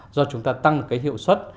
do chúng ta tăng được cái hiệu suất